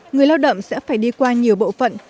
người lao động sẽ phải đi qua nhiều bộ phận